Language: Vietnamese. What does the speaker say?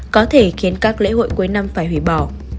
có thể khiến các lễ hội cuối năm phải hủy bỏ